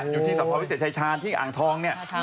อยู่ที่สะพอวิเศษชายชาญที่อ่างทองเนี่ย